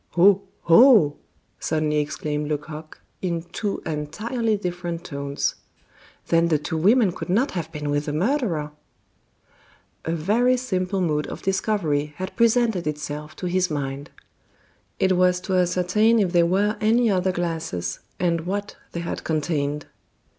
"Oh! oh!" suddenly exclaimed Lecoq in two entirely different tones. "Then the two women could not have been with the murderer!" A very simple mode of discovery had presented itself to his mind. It was to ascertain if there were any other glasses, and what they had contained.